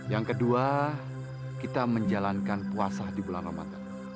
yang kedua kita menjalankan puasa di bulan ramadan